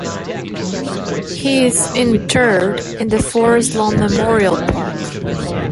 He is interred in the Forest Lawn Memorial Park.